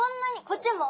こっちも？